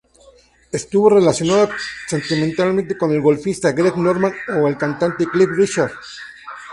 Estuvo relacionada sentimentalmente con el golfista Greg Norman o el cantante Cliff Richard.